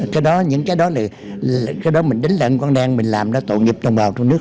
cái đó những cái đó là cái đó mình đánh lận con đen mình làm đó tội nghiệp đồng bào trong nước